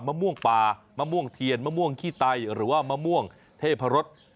มะม่วงป่ามะม่วงเทียนมะม่วงขี้ไตหรือว่ามะม่วงเทพรส